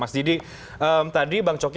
mas gidi tadi bang soki